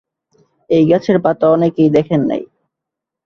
এই গাছের পাতা অনেকেই দেখেন নাই।